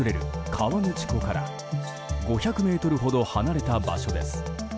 河口湖から５００ｍほど離れた場所です。